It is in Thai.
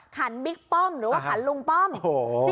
ขันบิ๊กป้อมหรือว่าขันลุงป้อม